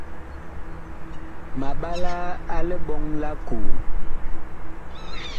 Ma mɓalaa a liɓɔŋ lʼ akoo.